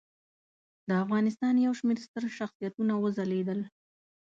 د افغانستان یو شمېر ستر شخصیتونه وځلیدل.